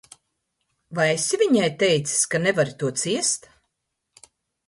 Vai esi viņai teicis, ka nevari to ciest?